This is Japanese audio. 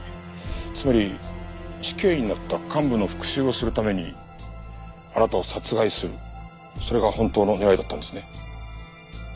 つまり死刑になった幹部の復讐をするためにあなたを殺害するそれが本当の狙いだったんですね。